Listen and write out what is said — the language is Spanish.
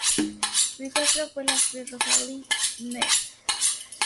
Su hijastra fue la actriz Rosalind Knight.